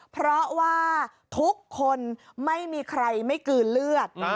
เพราะว่าทุกคนไม่มีใครไม่กลืนเลือด